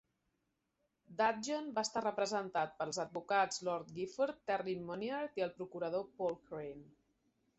Dudgeon va estar representat pels advocats Lord Gifford, Terry Munyard i el procurador Paul Crane.